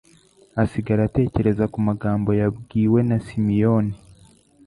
asigara atekereza ku magambo yabwiwe na Simiyoni